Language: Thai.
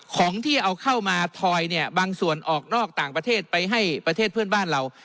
ของที่เอาเข้ามาทอยเนี่ยบางส่วนออกนอกต่างประเทศไปให้ประเทศเพื่อนบ้านเรา